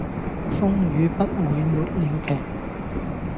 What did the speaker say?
風雨不會沒了期